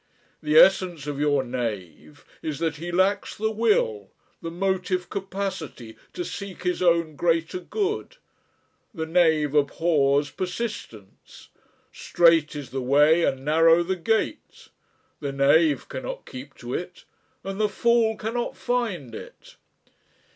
The essence of your knave is that he lacks the will, the motive capacity to seek his own greater good. The knave abhors persistence. Strait is the way and narrow the gate; the knave cannot keep to it and the fool cannot find it."